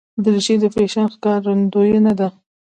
دریشي د فیشن ښکارندویه ده.